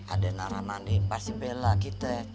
ada naramadi pasti bela gitu